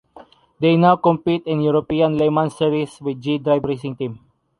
They now compete in European Le Mans Series with the G-Drive Racing team.